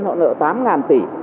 họ nợ tám ngàn tỷ